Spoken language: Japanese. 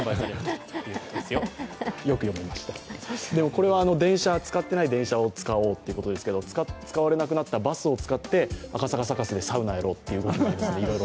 これは使ってない電車を使おうということですけど、使われなくなったバスを使って赤坂サカスでサウナやろうみたいなことですね。